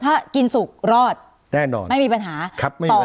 ถ้ากินสุกรอดแน่นอนไม่มีปัญหาครับไม่รอด